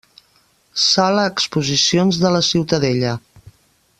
Sala exposicions de la Ciutadella.